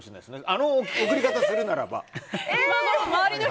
あの送り方をするならば。